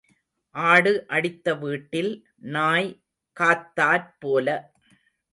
ஆடு அடித்த வீட்டில், நாய் காத்தாற் போல.